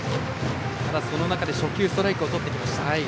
その中で初球ストライクをとってきました。